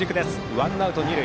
ワンアウト、二塁。